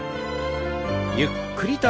ゆっくりと。